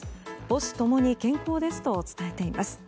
母子ともに健康ですと伝えています。